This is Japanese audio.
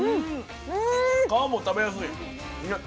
皮も食べやすいね。